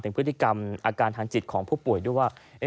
พฤติกรรมอาการทางจิตของผู้ป่วยด้วยว่า